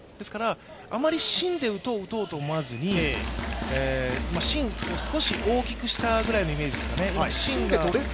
あまり芯で打とうと思わずに、芯を少し大きくしたようなイメージですかね。